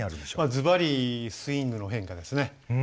ずばりスイングの変化ですね。